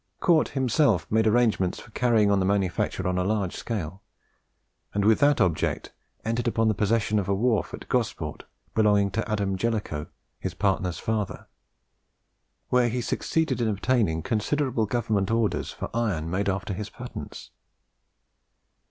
Cort himself made arrangements for carrying on the manufacture on a large scale, and with that object entered upon the possession of a wharf at Gosport, belonging to Adam Jellicoe, his partner's father, where he succeeded in obtaining considerable Government orders for iron made after his patents.